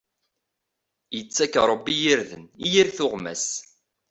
Ittak Rebbi irden i yir tuɣmas.